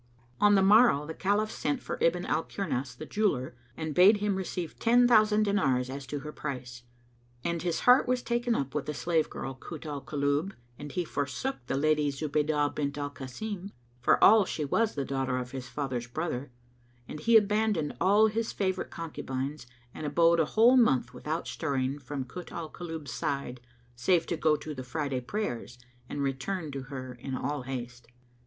On the morrow the Caliph sent for Ibn al Kirnas the Jeweller, and bade him receive ten thousand dinars as to her price. And his heart was taken up with the slave girl Kut al Kulub and he forsook the Lady Zubaydah bint al Kasim, for all she was the daughter of his father's brother [FN#218] and he abandoned all his favorite concubines and abode a whole month without stirring from Kut al Kulub's side save to go to the Friday prayers and return to her in all haste.